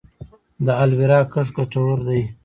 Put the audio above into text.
د الوویرا کښت ګټور دی؟